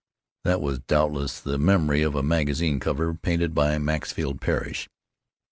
(That was doubtless the memory of a magazine cover painted by Maxfield Parrish.)...